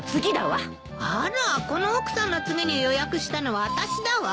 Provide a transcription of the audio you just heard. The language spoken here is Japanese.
あらこの奥さんの次に予約したのはあたしだわ。